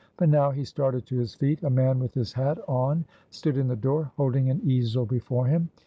But now he started to his feet. A man with his hat on, stood in the door, holding an easel before him.